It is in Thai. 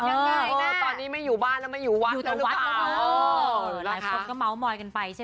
ยังไงแน่เออตอนนี้ไม่อยู่บ้านแล้วไม่อยู่วัดแล้วหรือเปล่า